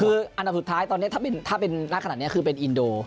คืออันดับสุดท้ายตอนนี้ถ้าเป็นนักขนาดนี้คือเป็นอินโด